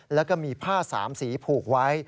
แล้วก็มีผ้า๓สีผูกไว้